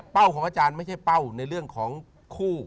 ของอาจารย์ไม่ใช่เป้าในเรื่องของคู่